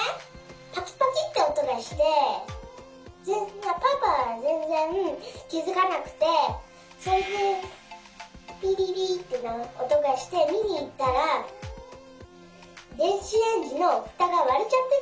パキパキっておとがしてパパはぜんぜんきづかなくてそれでピピピっておとがしてみにいったらでんしレンジのふたがわれちゃってたんだよ。